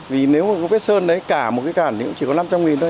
vì nếu mà có vết sơn đấy cả một cái cản thì cũng chỉ có năm trăm linh thôi